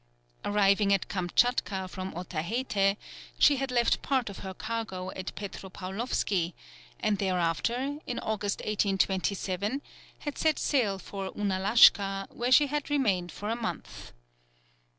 Arriving at Kamtchatka from Otaheite, she had left part of her cargo at Petropaulovski, and thereafter in August, 1827 had set sail for Ounalashka, where she had remained for a month.